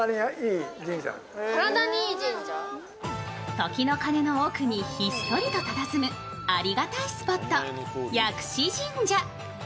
時の鐘の奥にひっそりとたたずむありがたいスポット、薬師神社。